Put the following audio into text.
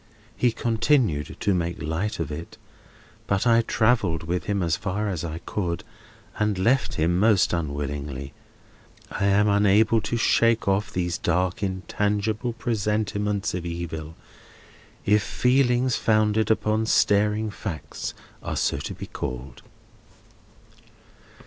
He continued to make light of it, but I travelled with him as far as I could, and left him most unwillingly. I am unable to shake off these dark intangible presentiments of evil—if feelings founded upon staring facts are to be so called.